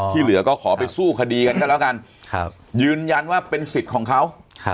อ๋อที่เหลือก็ขอไปสู้คดีกันได้แล้วกันครับยืนยันว่าเป็นสิทธิ์ของเขาครับ